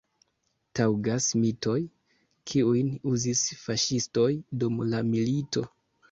Taŭgas mitoj, kiujn uzis faŝistoj dum la milito.